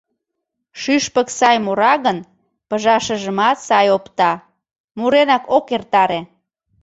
Шӱшпык сай мура гын, пыжашыжымат сай опта, муренак ок эртаре.